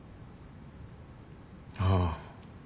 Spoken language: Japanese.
ああ。